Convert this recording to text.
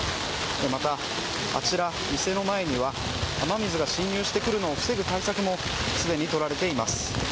また、あちら、店の前には雨水が浸入してくるのを防ぐ対策もすでに取られています。